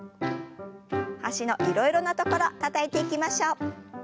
脚のいろいろな所たたいていきましょう。